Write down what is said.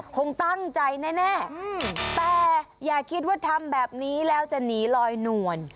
คงตั้งใจแน่แต่อย่าคิดว่าทำแบบนี้แล้วจะหนีลอยนวล